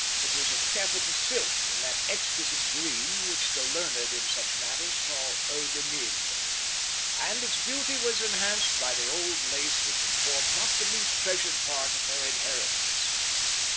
It was of taffeta silk, in that exquisite green which the learned in such matters call Eau de Nil; and its beauty was enhanced by the old lace which had formed not the least treasured part of her inheritance.